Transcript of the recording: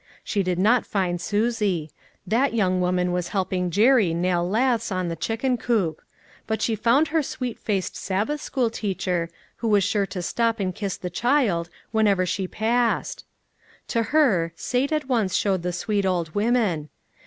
She did not find Susie ; that young woman was helping Jerry nail laths on the chicken coop ; but she found her sweet faced Sabbath school teacher, who was 286 LITTLE FISHERS : AND THEIE NETS. sure to stop and kiss the child, whenever she passed. To her, Sate at once showed the sweet old women.